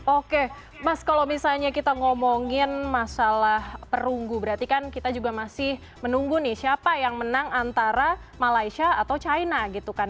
oke mas kalau misalnya kita ngomongin masalah perunggu berarti kan kita juga masih menunggu nih siapa yang menang antara malaysia atau china gitu kan